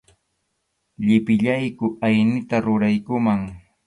Llipillayku aynita ruraykuman.